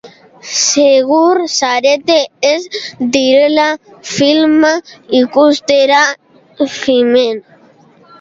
Segur zarete ez direla filma ikustera jinen?